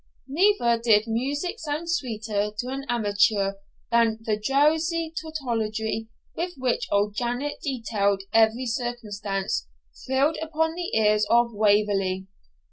Never did music sound sweeter to an amateur than the drowsy tautology with which old Janet detailed every circumstance thrilled upon the ears of Waverley.